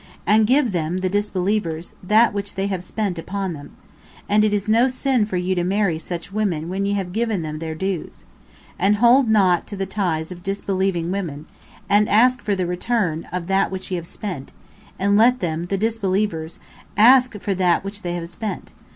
And give them (the disbelievers) that which they have spent (upon them). And it is no sin for you to marry such women when ye have given them their dues. And hold not to the ties of disbelieving women; and ask for (the return of) that which ye have spent; and let them (the disbelievers) ask for that which they have spent.